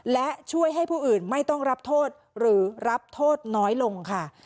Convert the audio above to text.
และช่วยให้ผู้อื่นไม่ต้องรับโทษหรือรับโทษน้อยลงค่ะ